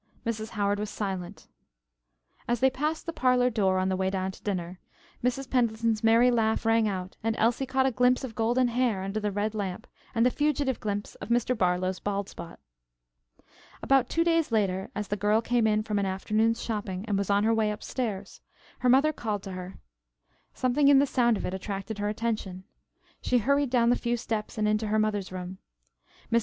Mrs. Howard was silent. As they passed the parlor door on their way down to dinner, Mrs. Pendleton's merry laugh rang out and Elsie caught a glimpse of the golden hair under the red lamp and the fugitive glimpse of Mr. Barlow's bald spot. About two days later, as the girl came in from an afternoon's shopping, and was on her way upstairs, her mother called to her. Something in the sound of it attracted her attention. She hurried down the few steps and into her mother's room. Mrs.